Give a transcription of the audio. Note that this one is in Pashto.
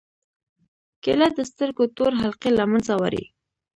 کېله د سترګو تور حلقې له منځه وړي.